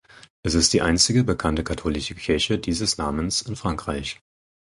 Es ist die einzige bekannte katholische Kirche dieses Namens in Frankreich.